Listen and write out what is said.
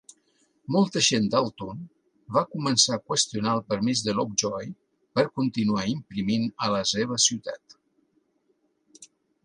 Molta gent d'Alton va començar a qüestionar el permís de Lovejoy per continuar imprimint a la seva ciutat.